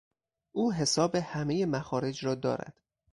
او حساب همهی مخارج را دارد.